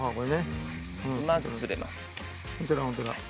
うまく、すれます。